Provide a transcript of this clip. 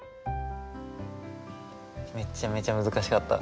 めっちゃめちゃ難しかった。